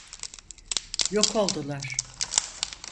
Yok oldular.